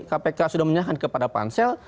kpk sudah menyerahkan kepada pansel